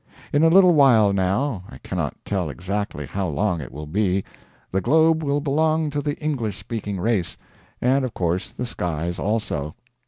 In a little while, now I cannot tell exactly how long it will be the globe will belong to the English speaking race; and of course the skies also.